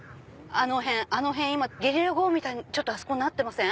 あの辺今ゲリラ豪雨みたいにあそこなってません？